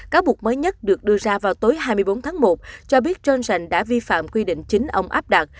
cáo buộc mới nhất được đưa ra vào tối hai mươi bốn tháng một cho biết johnson đã vi phạm quy định chính ông áp đặt